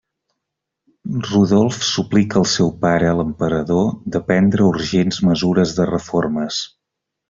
Rodolf suplica el seu pare, l'emperador, de prendre urgents mesures de reformes.